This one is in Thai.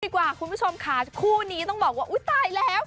คุณผู้ชมค่ะคู่นี้ต้องบอกว่าอุ๊ยตายแล้ว